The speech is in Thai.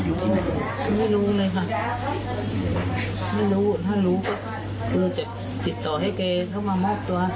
ไม่รู้ติดต่อไม่ได้เลย